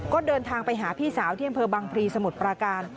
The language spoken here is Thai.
ก็เดินทางไปหาพี่สาวที่อำเภอบังพลีสมุทรปราการ